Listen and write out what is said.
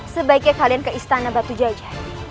sebaiknya kalian ke istana batu jaja